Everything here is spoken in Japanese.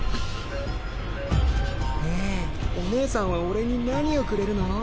ねえおねえさんは俺に何をくれるの？